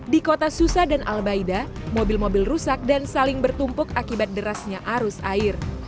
di kota susa dan albaida mobil mobil rusak dan saling bertumpuk akibat derasnya arus air